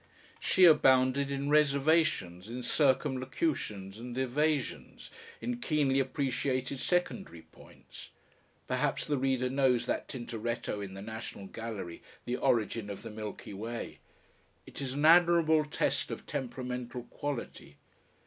She abounded in reservations, in circumlocutions and evasions, in keenly appreciated secondary points. Perhaps the reader knows that Tintoretto in the National Gallery, the Origin of the Milky Way. It is an admirable test of temperamental quality.